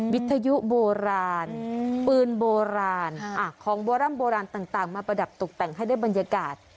วิทยุโบราณปืนโบราณของโบร่ำโบราณต่างมาประดับตกแต่งให้ได้บรรยากาศ